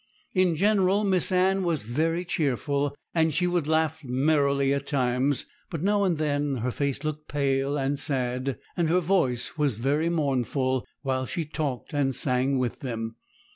In general, Miss Anne was very cheerful, and she would laugh merrily at times; but now and then her face looked pale and sad, and her voice was very mournful while she talked and sang with them.